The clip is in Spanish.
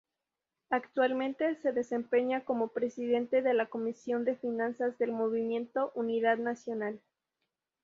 Actualmente, se desempeña como presidente de la Comisión de Finanzas del movimiento Unidad Nacional.